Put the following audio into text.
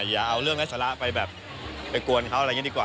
อย่าเอาเรื่องอัชระไปแบบไปกวนเขาอะไรอย่างนี้ดีกว่า